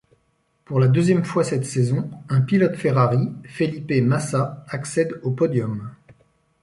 Pour la deuxième fois cette saison, un pilote Ferrari, Felipe Massa, accède au podium.